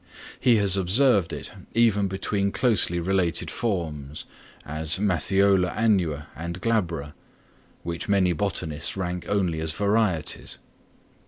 He has observed it even between closely related forms (as Matthiola annua and glabra) which many botanists rank only as varieties.